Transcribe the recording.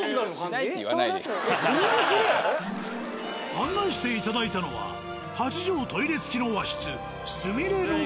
案内していただいたのは８畳トイレ付きの和室。